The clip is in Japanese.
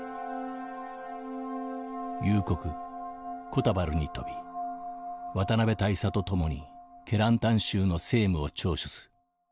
「夕刻コタバルに飛び渡辺大佐と共にケランタン州の政務を聴取す。